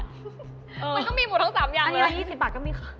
ไม่ต้องมีหมู่ทั้ง๓อย่างเลยค่ะอันนี้๒๐บาทก็มีค่ะค่ะ